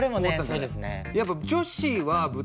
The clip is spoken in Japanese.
そうですね。